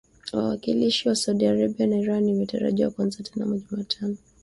wawakilishi wa Saudi Arabia na Iran ingetarajiwa kuanza tena Jumatano